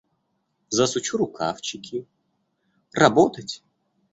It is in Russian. Засучу рукавчики: работать?